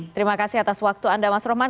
terima kasih atas waktu anda mas roman